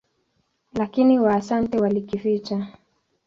Lakini Waasante walikificha.